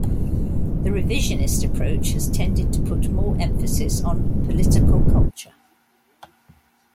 The revisionist approach has tended to put more emphasis on 'political culture'.